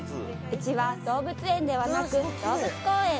うちは動物園ではなく動物公園